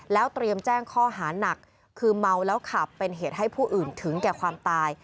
แล้วเตรียมแจ้งข้อหานักคือเมาแล้วขับเป็นเหตุให้ผู้อื่นถึงแก่ความตาย